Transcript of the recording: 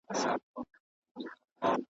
چي رګونه مي ژوندي وي له سارنګه له ربابه .